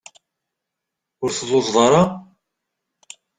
Ur telluẓeḍ ara?